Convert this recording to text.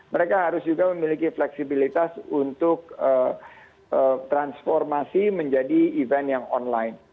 mereka harus juga memiliki fleksibilitas untuk transformasi menjadi event yang online